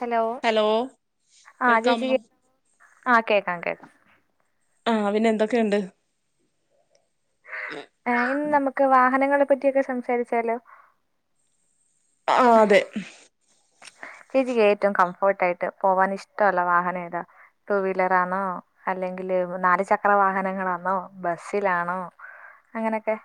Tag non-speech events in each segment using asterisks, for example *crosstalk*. Hello? ആഹ് ചേച്ചി കേൾക്കാമോ കേ ആഹ് കേക്കാം കേക്കാം. ആഹ് പിന്നെ എന്തൊക്കെയുണ്ട്? ഏ ഇന്ന് നമുക്ക് വാഹനങ്ങളെ പറ്റിയൊക്കെ സംസാരിച്ചാലോ? ആ അതെ. ചേച്ചിക്ക് ഏറ്റവും കംഫോർട്ട് ആയിട്ട് പോവാൻ ഇഷ്ട്ടള്ള വാഹനം ഏതാ? ടു വീലറാണോ, അല്ലെങ്കില് നാല് ചക്ര വാഹനങ്ങളാന്നോ, ബസ്സിലാണോ? അങ്ങനെയൊക്കെ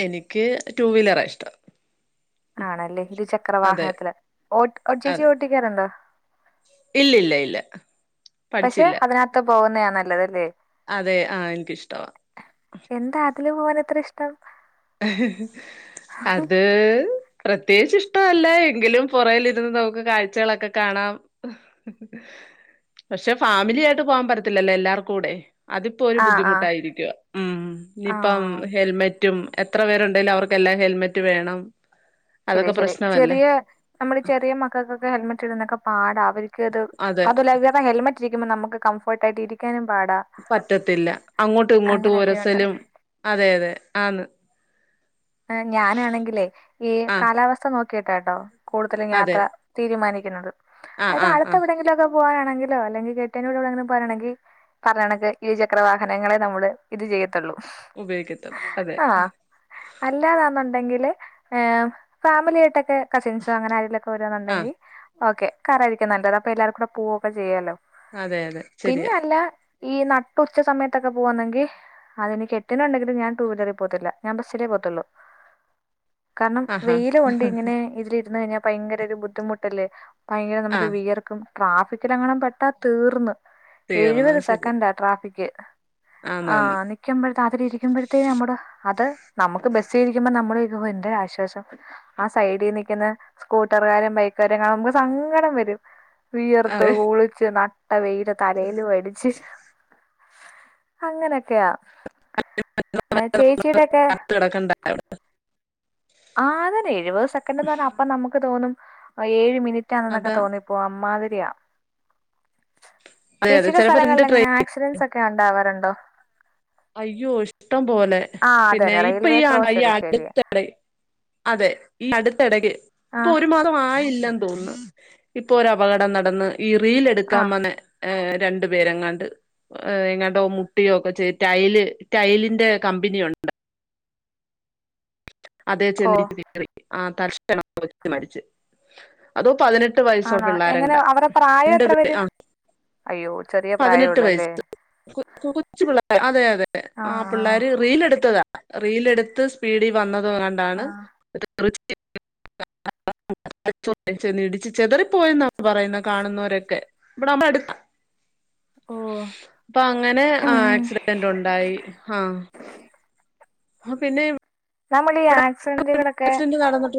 എനിക്ക് ട്ടൂവിലറാ ഇഷ്ടം ആണല്ലേ ഇരു ചക്ര അതെ വാഹനത്തില് ഓ ചേച്ചി അതെ ഓട്ടിക്കാറുണ്ടോ ഇല്ല, ഇല്ല, ഇല്ല, പഠിച്ചില്ല. പോവുന്നയാണല്ലെ *unintelligible* അതെ ആഹ് ഇനിക്കിഷ്ടവാ. അല്ലെ മോനെത്ര ഇഷ്ടം അത് പ്രത്യേകിച്ച് ഇഷ്ട്ടമില്ല എങ്കിലും പുറകിലിരുന്ന് നമുക്ക് കാഴ്ചകളൊക്കെ കാണാം. പക്ഷെ ഫാമിലി ആായിട്ട് പോവാൻ പറ്റത്തില്ലല്ലോ എല്ലാവർക്കും കൂടെ അതിപ്പോ ഒരു ആഹ് ആഹ് ബുദ്ധിമുട്ടായിരിക്കു ഉം ഇനിപ്പം ആഹ് ഹെൽമെറ്റും എത്ര പേരുണ്ടേലു അവർക്കെല്ലാ ഹെൽമെറ്റ് വേണം. ശരി അതൊക്കെ ശരി പ്രശ്നമല്ലേ ചെറിയ നമ്മള് ചെറിയ മക്കൾക്കൊക്കെ ഹെൽമെറ്റിടുന്നൊക്കെ പാടാ. അവർക്ക് അതെ അതുല്ല പിന്നെ ഹെൽമെറ്റഇട്ടു ഇരിക്കുമ്പോ നമ്മക്ക് കംഫേർട്ടായിട്ടിരിക്കാനുംബുധിമുട്ട് ആണ് പറ്റത്തില്ല അങ്ങോട്ടു ഇങ്ങോട്ടു അങ്ങനെയൊക്കെയുണ്ട് ഒരസലും അതെ അതെ ആന്ന് ഞാനാണെങ്കിലേ ഈ ആഹ് കാലാവസ്ഥ നോക്കീട്ടാട്ടൊ കൂടുതലും അതെ യാത്ര തീരുമാനിക്കുന്നത് ആഹ് ആഹ് ആഹ് അതടുത്തെവിടെങ്കിലൊക്കെ പോകാനാണെങ്കിലൊ അല്ലെങ്കിൽ കെട്ട്യന്റെ കൂടെ പോകുകയാണെങ്കിൽ പറയുന്നത് ഇരുചക്രവാഹനങ്ങളെ നമ്മള് ഇത് ചെയ് ഉപയോഗിക്കത്തുള്ളൂ അതെ ആഹ് അല്ലാതാന്നുണ്ടെങ്കില് ഫേം ഫേമിലിയായ്ട്ടൊക്കെ കസിൻസോ അങ്ങനെ ആരെലൊക്കെ ആഹ് വെരാണുണ്ടെങ്കിൽ ഓക്കെ കാറായിരിക്കും നല്ലത് അപ്പൊ എല്ലാര്കൂടെ പോകുക ഒക്കെ ചെയ്യാലോ അതെ അതെ ശരിയ പിന്നല്ല ഈ നട്ടുച്ച സമയത്തൊക്കെ പോവാന്നെങ്കിൽ അതിന് കെട്ട്യോനുണ്ടെങ്കിലു ഞാൻ ടു വീലറിൽ പോവതില്ല ഞാൻ ബസ്സിലെ പോ ത്തൊള്ളു കാരണം ആഹാ വെയ്ല് കൊണ്ട് ഇങ്ങനെ ഇതിലി ര്ന്ന് കഴിഞ്ഞാൽ ഭയങ്കരൊരു ബുദ്ധിമുട്ടല്ലേ ഭയര നമുക്ക് ആഹ് വിയർക്കും. ട്രാഫിക്കിലെങ്ങണെ പെട്ടാ തീർന്ന് തീർന്നു എഴുപത് അത് ശരിയാ സെക്കൻ്റാ ട്രാഫിക്. ആ ആന്നാന്ന് നിക്കുമ്പെഴ്ത്ത് അതിലിരിക്കുമ്പെഴ്ത്തേന് നമ്മുടെ അത് നമ്മ് ക്ക് ബസ്സീരിക്കുമ്പോ നമ്മള്ര്ക്കുമ്പൊ ഏന്തൊരാശ്വാസം ആ സൈഡീ നിക്കുന്ന സ്കൂട്ടറുകാരൻ ബൈക്കാരെ ഞമ്മക്ക് സങ്കടം വരും വിയർത്ത് അതെ കുളിച്ച് നനഞ്ഞു ട്ട വെയില് തലോലു അടിച്ച് അങ്ങനെയൊക്കെയാ. ആ ചേച്ചീടൊക്കെ അത് *unintelligible* ആ അത തന്നെ എഴുപത് സെക്കൻഡ എന്ന് പറഞ്ഞാ അപ്പൊ നമ്മക്ക് തോന്നും ആ ഏഴ് മിനിറ്റ് ആണ് ട്ടാന്നൊക്കെ അതാ തോന്നിപ്പോവും അമ്മാതിരിയാണ് അതെ അതെ ചേച്ചിയുടെ ചിലപ്പോ രണ്ട് സ്ഥലങ്ങളില് ട്രെയിൻ എങ്ങനെയ ആക്സിഡന്റ്സൊക്കെ ഉണ്ടാവാറുണ്ടോ അയ്യോ ഇഷ്ടം പോലെ ആ പിന്നെ അതന്നെ ഇപ്പൊ റെയിൽവേ ഈ ക്രോസില് ശരിയാ അടുത്തിടെ അതെ അടുത്തിടക്ക് ആ ഇപ്പൊ ഒരുമാസമായില്ലെ തോന്നുന്നു ഇപ്പൊ ഒരപകടം നടന്ന് ഈ റീൽ ആ എടുക്കാൻ വന്ന് രണ്ടു പേരെങ്ങാണ്ട് എങ്ങാട്ടൊ മുട്ടിയോക്കെ ചേയ്ത് ടൈല് ടൈലിന്റെ കമ്പനിയുണ്ടാ അതേ ഓ *unintelligible* ആ തർശണ വെച്ച് മരിച്ച് അതോ പതിനെട്ട് വയസ്സോ ആണാ എങ്ങനെ പിള്ളേരെങ്ങാണ്ടാ അവരെ പ്രായം രണ്ട് എത്ര പേ വരും ആ അയ്യോ ചെറിയ പതിനെട്ട് പ്രായുള്ളല്ലേ വയസ്സ് കൊച്ചു പിള്ളേർ അതെ അതെ ആ പിള്ളേര് റീൽ എടുത്തതാ. റീലെടുത്ത് സ്പീഡിൽ വന്നതുകൊണ്ടാണ് ആ *unintelligible* *unintelligible* *unintelligible* ഇടിച്ചു ചെതറിപ്പോയെന്ന പറയുന്നെ കാണുന്നവരൊക്കെ ഇവിടെ നമ്മുടെ അടുത്താണ് ഓ ഇപ്പൊ അങ്ങനെ ആ ഉം ആക്സിഡന്റുണ്ടായി ആഹ ആ പിന്നെ നമ്മൾ ഈ ആക്സിഡന്റുകളൊക്കെ ആക്സിഡന്റ് നടന്നിട്ട്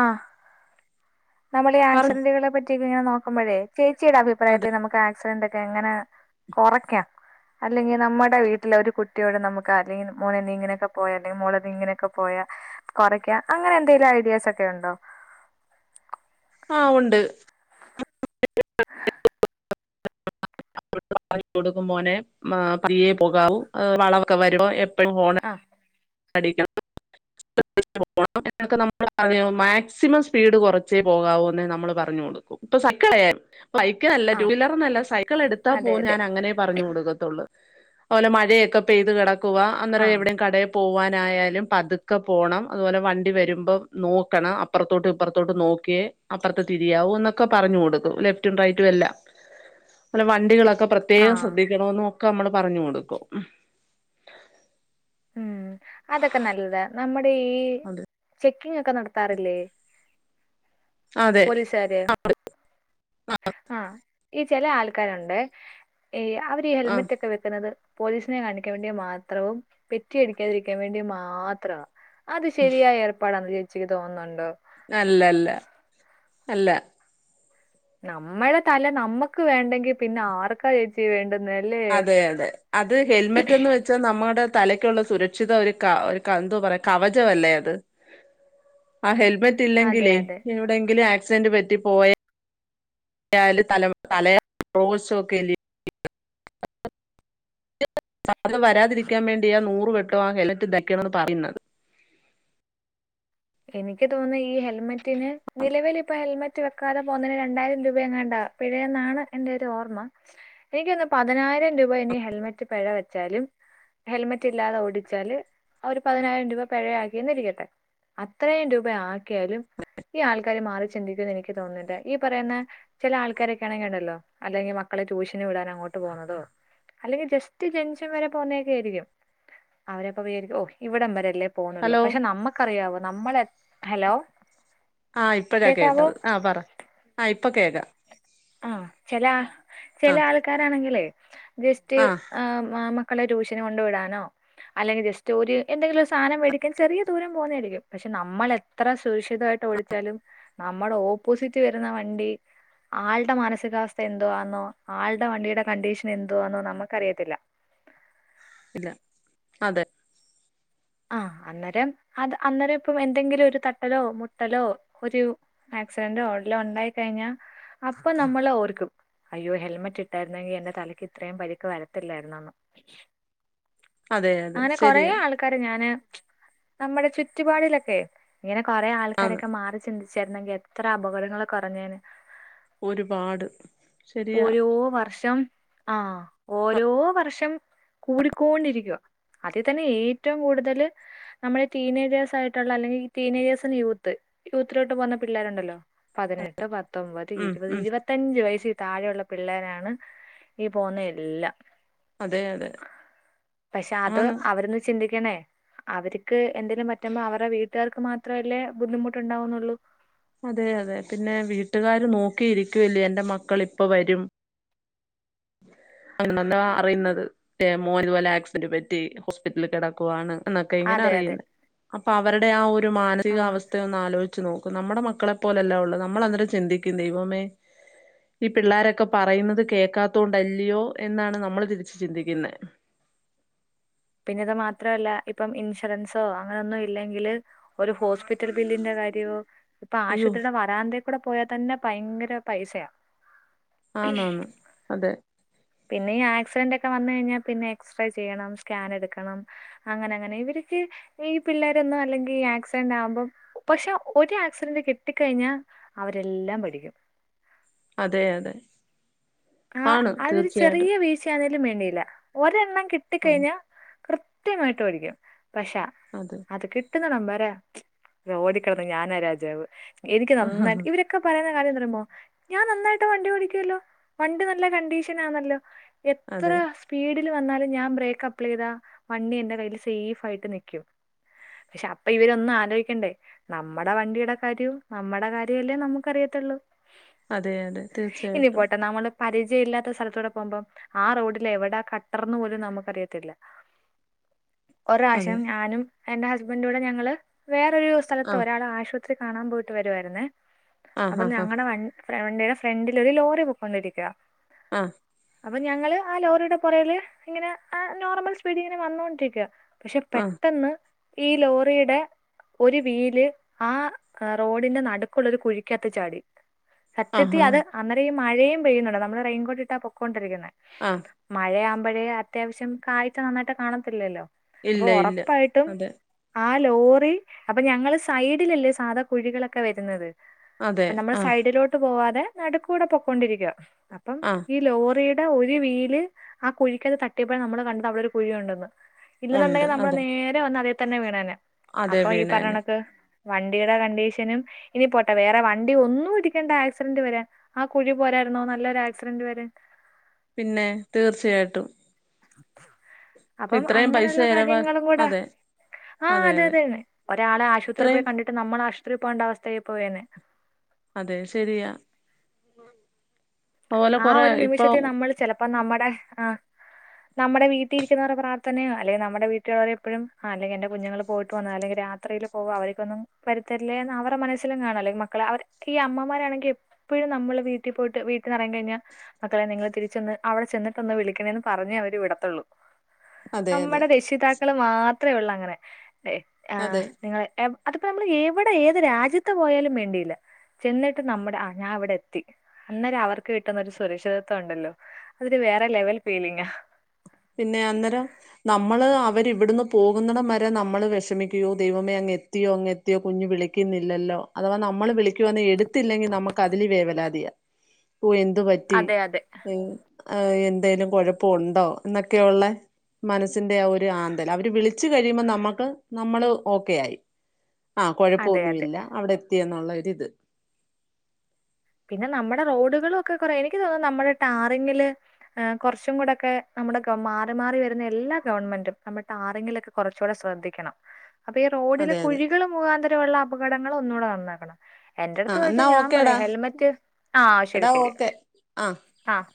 ആ നമ്മൾ ഈ പറഞ്ഞു ആക്സിഡന്റുകളെ പറ്റി ഇങ്ങെ നോക്കുമ്പോഴേ ചേച്ചിടെ അഭിപ്രായ അതെ നമുക്ക ആക്സിഡന്റ് ക്കെ എങ്ങനെ കൊറക്കാം. അല്ലെങ്കിൽ നമ്മുടെ വീട്ടിലെ ഒരു കുട്ടിയോട് നമുക്ക് അല്ലെങ്കിൽ മോളെ നീ ഇങ്ങനൊക്കെ പോയാൽ അല്ലെങ്കിൽ മോളെ നീ ഇങ്ങനൊക്കെ പോയാൽ കൊറക്ക അങ്ങനെ എന്തെലും ഐഡിയാസൊക്കെയുണ്ടോ ആ ഉണ്ട് *unintelligible* *unintelligible* കൊടുക്കും പോനെ പതിയെ പോകാവൂ വളവോക്ക വരു മ്പോ ഹോൺ ആ *unintelligible* അടിക്കാ ണ *unintelligible* നമ്മ മാക്സിമം സ്പീഡ് കുറച്ചേ പോകാവൂ എന്ന് നമ്മൾ പറഞ്ഞ് കൊടുക്കും സൈക്കിള ബൈക്ക് നല്ല ആ ടു വീലറി നല്ല സൈക്കിൾ എടുത്താൽ പോ അതെ അതെ ഞാൻ അങ്ങനെ പറഞ്ഞു കൊടുക്കത്തൊള്ളൂ അതുപോലെ മഴയൊക്കെ പെയ്ത് കെടക്കുവ ആ അന്നേരം എവിടെയും കട പോകാനായാലും പതുക്കെ പോകണം അതുപോലെ വണ്ടി വരുമ്പോ നോക്കണം അപ്പുറത്തോട്ടും ഇപ്പുറത്തോട്ടും നോക്ക ക്കെ അപ്പറത്ത് തിരിയാവൂ എന്നൊക്കെ പറഞ്ഞു കൊടുക്കും ലെഫ്റ്റും റൈറ്റും എല്ലാം അല്ല വണ്ടികളൊക്കെ ഒ ആ പ്രത്യേകം ശ്രദ്ധിക്കണം ഒക്കെ നമ്മള് പറഞ്ഞു കൊടുക്കും ഉം അതൊക്കെ നല്ലതാ നമ്മുടെ ഈ അതെ ചെക്ക് ങ്ങൊക്കെ നടത്താറില്ലേ. ആ അതെ പോലീസുകാര് ആ ആ ഈ ചില ആൾക്കാരുണ്ടെ അവരീ ആ ഹെൽമെറ്റൊക്കെ വെക്കുന്നത് പോലീസിനെ കാണിക്കാൻ വേണ്ടി മാത്രവും പെറ്റി അടിക്കാതിരിക്കാൻ വേണ്ടി മാത്രവാ. അത് ശരിയായ ഏർപ്പാടന്ന് ചേച്ചിക്ക് തോന്നുന്നുണ്ടോ? അല്ല അല്ല അല്ല. നമ്മളെ തല നമ്മുക്ക് വേണ്ടെങ്കിൽ പിന്നെ ആർക്കാ ചേച്ചി വേണ്ടത്. അതെ അതെ അത് ഹെൽമെറ്റ് എന്ന് വെച്ചാ നമ്മുടെ തലക്കുള്ള സുരക്ഷിത ന്താ പറയാ കവജല്ലേ അത് ആ ഹെൽ ഹെമേറ്റ് അതെ ല്ലെങ്കില് അതെ എവിടെയങ്കിലും ആക്സിഡന്റ് പറ്റി പോവേ ന്തായാലും തല കലയാ റോഡ ഷോക്ക്ന്ദീ *unintelligible* അ സാധ്യ വരാതിരിക്കാൻ വേണ്ടിയാ നൂർ വെട്ടോ ആ ഹെൽമറ്റ് വെക്കണെന്ന് പറയുന്നത് എനിക്ക് തോന്നുന്നു ഈ ഹെൽമെറ്റിന് നിലവിൽ ഇപ്പ ഹെൽമെറ്റ് വെക്കാതെ പോകുന്നതിന് രണ്ടായിരം രൂപ എങ്ങാണ്ടാ പിഴയെന്നാണ് എന്റെ ഒരു ഓർമ്മ എനിക്കൊന്ന് പതിനായിരം രൂപ ഇനി ഹെൽമെറ്റ് പിഴ വ ലും ഹെൽമെറ്റ് ഇല്ലാതെ ഓടിച്ചാല് അവര് പതിനായിരം രൂപ പിഴയാക്കിന്ന് ഇരിക്കട്ടെ. അത്രയുംം രൂപ ആക്കിയാലും ഈ ആൾക്കാര് മാറി ചിന്തിക്ക എക്ക് തോന്നുന്നില്ല ഈ പറയുന്ന ചില ആൾക്കാരൊക്കെണെങ്ക ഉണ്ടല്ലോ അല്ലെങ്കിൽ മക്കളെ ട്യൂഷന് വിടാൻ അങ്ങോട്ട് പോണതോ അല്ലെങ്കിൽ ജസ്റ്റ് ജംഗ്ഷൻ വരെ പോകുന്നതൊക്കെ ആയിരിക്കും അവരെപ്പൊ വിചാരിക്കും ഓ ഇവിടം വര പോന്നുള്ളൂ ഹലോ പക്ഷെ നമ്മുക്കറിയാവോ നമ്മളെ ഹലോ.. ആ ഇപ്പഴാ കേക്കാവോ കേട്ടത് ആ പറ ആ ഇപ്പൊ കേക്കാം. ആ ചില ആ ചില ആൾക്കാരാണെങ്കിലേ ജസ്റ്റ് ആ മാ മക്കളെ ട്യൂഷിന കൊണ്ട് വിടാനോ അല്ലെങ്കിൽ ജസ്റ്റ് ഒരു എന്തെങ്കിലും ഒരു സാധനം മേടിക്കാൻ ചെറിയ ദൂരം പോകുന്നതായിരിക്കും പക്ഷെ നമ്മൾ എത്ര സുരക്ഷിതാ ടിച്ചാലും നമ്മുടെ ഓപ്പോസിറ്റ് വരുന്ന വണ്ടി ആളുടെ മാനസികാവസ്ഥ എന്തുവാെന്നോ ആളുടെ വണ്ടിയുടെ കണ്ടീഷൻ എന്തുവാന്നോ നമുക്ക്റിയത്തില്ല ഇല്ല അതെ. ആ അന്നേരം അത് അന്നേരം ഇപ്പം എന്തെങ്കിലും ഒരു തട്ടലോ മുട്ടലോ ഒരു മെ ആക്സിഡന്റ് എല്ലാം ഉണ്ടായി കഴിഞ്ഞ അപ്പൊ നമ്മൾ ഓർക്കും അയ്യോ ഹെൽമെറ്റ് ഇട്ടായിരുന്നെങ്കി എന്റെ തലയ്ക്ക് ഇത്രയും പരിക്ക് വരത്തില്ലായിരുന്നന്ന് അതെ അതെ ശരിയാ ഞാന് നമ്മുടെ ചുറ്റുപാടിലൊക്കെ ഇങ്ങനെ കൊറേ ആന്ന് ആൾക്കാരൊക്കെ മാറി ചിന്തി ച്ചരുന്നെങ്കിൽ എത്ര അപകടങ്ങള് കുറഞ്ഞാനെ ഒരുപാട് ശെരിയാ ആ ഓരോ വർഷം കൂടിക്കൊണ്ടിരിക്കുവ അതി തന്നെ ഏറ്റ ഏറ്റവും കൂടുതൽ നമ്മളെ ടീ നേജേഴ്സായിട്ടുള്ള അല്ലെങ്കി ടീ നേജേഴ്സ്ന്ന് യൂത്ത് യൂത്തിലോട്ട് പോന്ന പിള്ളേരുണ്ടല്ലോ പതിനെട്ട് പത്തൊമ്പത് ഉം ഇരുപത് ഉം ഇരുപത്തിഞ്ച വയ താഴെയുള്ള പിള്ളേരാണ് ഈ പോകുന്ന എല്ലാം അതെ അതെ പക്ഷെ അത് ആന്ന് അവരന്ന് ചിന്തിക്കണേ അവര്ക്ക് എന്തേലും പറ്റുമ്പോ അവരെ വീട്ടുകാർക്ക് മാത്രല്ലേ ബുദ്ധിമുട്ടുണ്ടാവുന്നുള്ളു. അതെ അതെ പിന്നെ വീട്ടുകാര് നോക്കിയിരിക്കൂല്ലേ എൻറെ മക്കള് ഇപ്പൊ വരും. *unintelligible* അങ്ങന്താ അറിയുന്നത് റ്റേ മോന് പോലെ ആക്സിഡന്റ് പറ്റി ഹോസ്പിറ്റലില് കെടക്കുവാണ്. ന്നൊക്കെ ഇങ്ങനെ അതെ അതെ അറിയുന്ന അപ്പൊ അവരുടെ ആ ഒരു ആഹ് മാനസികാവസ്ഥയ ഒന്നലോചി ച്ച് നോക്കു. നമ്മുടെ മക്കളെ പോലെല്ലാം ഉള്ളൂ നമ്മൾന്നേരം ചിന്തിക്കുന്നു ദൈവമേ, ഈ പിള്ളോരൊക്കെ പറയുന്നത് കേക്കാത്ത ത്തോണ്ടല്ലിയോ എന്നാണ് നമ്മള് തിരിച്ച് ചിന്തിക്കുന്ന. പിന്നെത് മാത്രല്ല ഇപ്പം ഇൻഷുറൻസോ അങ്ങനൊന്നും ഇല്ലെങ്കില്. ഒരു ഹോസ്പിറ്റൽ ബില്ലിന്റെ കാര്യോ ഇപ്പൊ അയ്യോ ആശുപത്രിണ വരാന്ത കൂടെ പോയാ തന്നെ ഭയങ്കര പൈസയാ. ആന്നാന്ന് അതെ. പിന്നെ ഈ ആക്സിഡന്റ് ഒക്കെ വന്നു കഴിഞ്ഞാ പിന്നെ എക്സ്റേ ചെയ്യണം. സ്കാൻ എടുക്കണം. അങ്ങനെ അങ്ങനെ ഇവര്ക്ക് ഈ പിള്ളോരൊന്നും അല്ലെങ്കി ആക്സിഡന്റ് ആവുമ്പോം പക്ഷെ ഒരു ആക്സിഡന്റ് കിട്ടിക്കഴിഞ്ഞാൽ അവരെല്ലാം പഠിക്കും. അതെ അതെ. ആ ആണ് അതൊരു ചെറിയ തീർച്ചയായിട്ടും വീഴ്ചയാന്ന വേണ്ടീല്ല. ഒരെണ്ണം കിട്ടി ആ കഴിഞ്ഞാ കൃത്യമായിട്ട് ഓരിക്കും. പക്ഷാ അതെ അത് കിട്ടുന്നണംമ്പരാ ഓടിക്കിടന്ന് ഞാനാ രാജാവ് എനിക്ക് നന്നായിട്ട് ഇവരൊക്കെ പറയുന്ന കാര്യംന്താന്നറിയാമോ ഞാൻ നന്നായിട്ട് വണ്ടി ഓടിക്കൊ ല്ലോ. വണ്ടി നല്ല കണ്ടീഷനാന്നല്ലോ എത്ര അതെ സ്പീഡ വന്നാലും ഞാൻ ബ്രേക്ക് അപ്ലൈ ചെയ്താ വണ്ടി എന്റെ കയ്യ്ല് സേഫ് ആയിട്ട് നിക്കും. പക്ഷെ അപ്പൊ ഇവരൊന്നും ആലോയിക്കണ്ടേ. നമ്മുടെ വണ്ടിയുടെ കാര്യവും നമ്മുടെ കാര്യമ അല്ലേ നമുക്ക്റിയത്തുള്ളൂ അതെ അതെ തീർച്ചയായിട്ടും. പരിചയ ഇല്ലാത്ത സ്ഥലത്തൂടെ പോകുമ്പം ആ റോഡിൽ എവിടാ കട്ടർന്നു പോലും നമുക്കറിയത്തില്ല. *unintelligible* അതെ ഒരാർശ്യം ഞാനും എന്റെ ഹസ്ബൻറ കൂടെ ഞങ്ങള് വേറൊരു ആ സ്ഥലത്ത് ഒരാൾ ആശുത് കാണാൻ പോയിട്ട് വരുവായിരുന്നേ. ആഹ് അപ്പൊ ആഹ് ഞങ്ങളുടെ വണ്ടീടെ ഫ്രണ്ടില് ഒരു ലോറി പൊക്കോണ്ടിരി അ അപ്പൊ ഞങ്ങള് ആ ലോറിയുടെ പൊറേല് ഇങ്ങനെ ആ നോർമൽ സ്പീഡ് ഇങ്ങനെ വന്നോണ്ടിരിക്കുക പക്ഷെ ആഹ് പെട്ടെന്ന് ഈ ലോറിയുടെ ഒരു വീല് ആ റോഡിന്റെ നടുക്കുള്ള ഒരു കുഴിക്കാത്ത് ചാടി. ആഹ് ആഹ് സത്യത്തിൽ അത് ആഹ് അന്നേരം മഴയും പെയ്യുന്നുണ്ട്. നമ്മള് റെയിൻകോട്ട് ഇട്ടാ പൊക്കൊണ്ടിരിക്കുന്ന. ആഹ് മഴയാമ്പോഴേ അത്യാവശ്യം കാഴ്ച നന്നായിട്ട് കാണത്തില്ലല്ലോ. അപ്പൊ ഇല്ല ഇല്ല ഒറപ്പായിട്ടും അതെ ആ ലോറി അപ്പൊ ഞങ്ങള് സൈഡിലല്ലേ സാധാ കുഴികളൊക്കെ വര്ന്നത്. അതെ അപ്പൊ നമ്മള് ആഹ് സൈഡിലോട്ട് പോവാതെ നടുക്കൂടെ പൊക്കൊണ്ടിരിക്ക. അപ്പം ആഹ് ഈ ലോറിയുടെ ഒരു വീല് ആ കുഴിക്കത്ത് തട്ടിയപ്പോഴ നമ്മള് കണ്ടത് അവിടെ ഒരു കുഴിയു ണ്ടെന്ന്. ഉണ്ട് ഇല്ലെന്നുണ്ടെങ്കില് നമ്മള് അതെ നേരെ വന്ന് അതേ തന്നെ വീണേനെ അതെ അപ്പൊ ഈ വീണേനെ പറഞ്ഞണക്ക് വണ്ടിയുടെ കണ്ടീഷനും ഇനി പോട്ടെ വേറെ വണ്ടി ഒന്നും ഇടിക്കേണ്ട ആക്സിഡന്റ് വരാൻ ആ കുഴി പോരാ നല്ലൊരു ആക്സിഡന്റ് വര പിന്നെ തീർച്ചയായിട്ടും. അപ്പം ഇത്രയും പൈസ അങ്ങനെയുള്ള ചെലവാ കാര്യങ്ങളും കൂടെ അതെ ആഹ് അതെ അതെ ഒരാളെ ആശുപത്രി പോയി ഇത്രയും കണ്ടിട്ട് നമ്മള് ആ ത്രി പോകേണ്ട അവസ്ഥ ആയി പോയന്നെ. അതെ ശെരിയാ. ആ ഒരു ഇപ്പൊ നിമിഷത്തെ നമ്മൾ ചെലപ്പോ നമ്മുടെ അ നമ്മടെ വീട്ടീരിക്കുന്നവരുടെ പ്രാർത്ഥനയോ അല്ലേ നമ്മുടെ വീട്ടികാരെപ്പഴും ആഹ് അല്ലെങ്കി എന്റെ കുഞ്ഞുങ്ങള് പോയിട്ട് വന്നോ അല്ലെങ്കി രാ യാത്രയില് പോവാ അവര്ക്കൊന്നും വരുത്തല്ലേന്ന് അവരെ മനസ്സിലും കാണുല്ലോ ഈ മക്കള അവരെ ഈ അമ്മമാരാണെങ്കി എ പ്പഴും നമ്മള് വീട്ടി പോയിട്ട് വീ പറയാൻ കഴിഞ്ഞാ മക്കളെ നിങ്ങള് തിരിച്ചെന്ന് അവിടെ ചെന്നിട്ടൊന്ന് വിളിക്കണേന്ന് പറഞ്ഞേ അവര് വിടത്തുള്ളൂ അതെ അതെ നമ്മടെ രക്ഷിതാക്കള് മാത്രേ ഒള്ളങ്ങനെ ഏഹ് അതെ നിങ്ങ അതിപ്പോ നമ്മള് ഏവിടെ ഏത് രാജ്യത്ത് പോയാലും വേണ്ടീല്ലാ ചെന്നിട്ട് നമ്മുടെ ആഹ് ഞാ ഇവിടെത്തി അന്നേരം അവർ ക്ക് കിട്ടുന്ന ഒരു സുരക്ഷിതത്വംണ്ടല്ലോ അതൊരു വേറെ ലെവൽ ഫീലിങ്ങാ പിന്നെ അന്നേരം നമ്മള് അവരിവിടുന്ന് പോകുന്നിടം വരെ നമ്മള് വിഷമിക്കുകയോ ദൈവമേ അ എത്തിയോ അങ്ങെത്തിയോ കുഞ്ഞ് വിളിക്കുന്നില്ലല്ലോ അഥവാ നമ്മള് വിളിക്കുവാന്നേ എടുത്തില്ലെങ്കി നമുക്ക് അതില് വേവലാതിയാ ഓഹ് എന്ത് പറ്റി അതെ അതെ അയ്യോ ആഹ് എന്തേലും കൊഴപ്പ ഒണ്ടോ എന്നൊക്കെയൊള്ളേ മനസ്സിന്റെ ആ ഒരു ആന്തല് അവര് വിളിച്ചു കഴിയുമ്പോ നമ്മക്ക് നമ്മള് ഓക്കെ ആയി ആഹ് അതെ അതെ കൊഴപ്പൊന്നുവില്ല അവിടെ എത്തിയെന്നുള്ള ഒരിത് പിന്നെ നമ്മടെ റോഡുകളും ഒക്കെ കുറെ എനിക്ക് തോന്നുന്നു നമ്മുടെ ടാറിങ്ങില് ഏഹ് കൊറച്ചും കൂടക്കെ നമ്മുടെ ഗ മാറി മാറി വരുന്ന എല്ലാ ഗവൺമെന്റും നമ്മ ടാറിങ്ങിലൊക്കെ കൊറച്ചൂടെ ശ്രദ്ധിക്കണം അപ്പൊ ഈ റോഡിലെ അതെ അതെ കുഴികള് മുഖാന്തരമുള്ള അപകടങ്ങളൊന്നുകൂടെ നന്നാക്കണം എന്റെ ആ അടുത്ത് ചോയിച്ചാ എന്നാ ഞാൻ പറയാ ഓക്കേടാ ഹെൽമെറ്റ് ആഹ് ശരി എടാ ശരി ഓക്കെ ആ ആഹ്